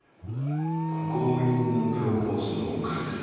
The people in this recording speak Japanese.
強引なプロポーズの彼です。